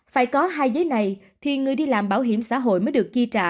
phải có hai giấy này thì người đi làm bảo hiểm xã hội mới được chi trả